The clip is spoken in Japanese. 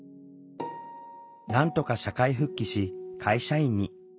なんとか社会復帰し会社員に。